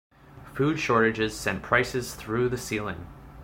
Food shortages sent prices through the ceiling.